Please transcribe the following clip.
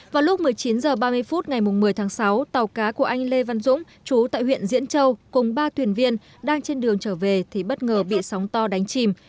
vào lúc một mươi chín h ba mươi phút ngày một mươi tháng sáu tàu cá của anh lê văn dũng chú tại huyện diễn châu cùng ba thuyền viên đang trên đường trở về thì bất ngờ bị sóng to đánh chìm